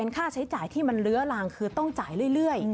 ค่าใช้จ่ายที่มันเลื้อลางคือต้องจ่ายเรื่อย